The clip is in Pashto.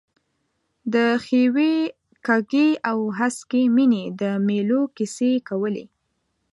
د ښیوې، کږې او هسکې مېنې د مېلو کیسې کولې.